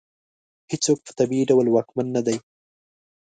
هېڅوک په طبیعي ډول واکمن نه دی.